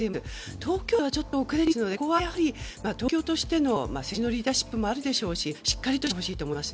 東京都は遅れているようですのでここは、やはり東京としての政治のリーダーシップもあるでしょうししっかり示してほしいと思います。